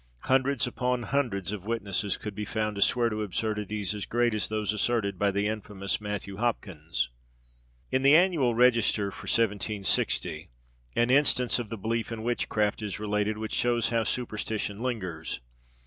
Hundreds upon hundreds of witnesses could be found to swear to absurdities as great as those asserted by the infamous Matthew Hopkins. In the Annual Register for 1760, an instance of the belief in witchcraft is related, which shews how superstition lingers.